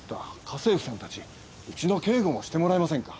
家政婦さんたちうちの警護もしてもらえませんか？